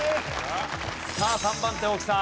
さあ３番手大木さん。